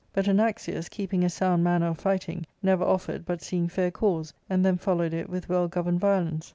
But Anaxius, keeping a sound manner of fighting, never offered but seeing fair cause, and then followed it with well governed violence.